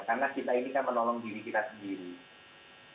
karena kita ini kan menolong diri kita sendiri